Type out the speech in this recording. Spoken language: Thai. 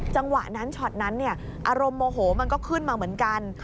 จังหวะนั้นช็อตนั้นอารมณ์โมโหมันก็ขึ้นมาเหมือนกัน